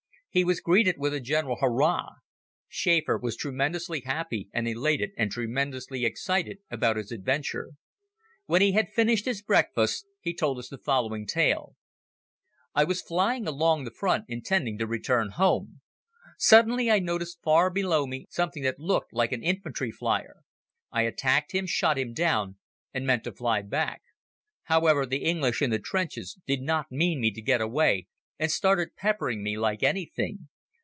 He was greeted with a general Hurrah! Schäfer was tremendously happy and elated and tremendously excited about his adventure. When he had finished his breakfast he told us the following tale: "I was flying along the front intending to return home. Suddenly I noticed far below me something that looked like an infantry flier. I attacked him, shot him down, and meant to fly back. However, the English in the trenches did not mean me to get away and started peppering me like anything.